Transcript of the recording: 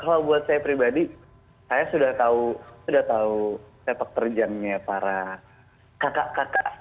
kalau buat saya pribadi saya sudah tahu sepak terjangnya para kakak kakak